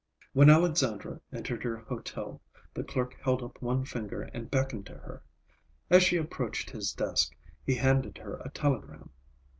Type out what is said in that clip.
When Alexandra entered her hotel, the clerk held up one finger and beckoned to her. As she approached his desk, he handed her a telegram.